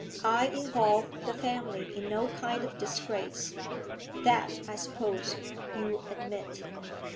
I involve the family in no kind of disgrace that, I suppose, you admit?'